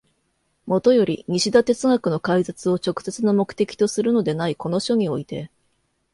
もとより西田哲学の解説を直接の目的とするのでないこの書において、